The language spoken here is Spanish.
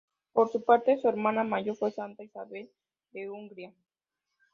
Por una parte, su hermana mayor fue Santa Isabel de Hungría.